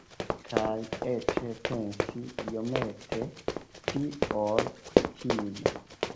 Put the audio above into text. Kaj eĉ pensi iomete pli ol kutime.